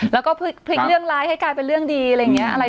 แล้วก็พลิกเรื่องไลก์ให้กลายเป็นเรื่องดี